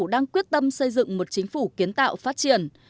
đang quyết tâm xây dựng một chính phủ kiến tạo phát triển